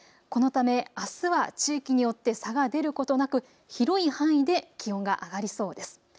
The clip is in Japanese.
このためあすは地域によって差が出ることなく広い範囲で気温が上がりそうです。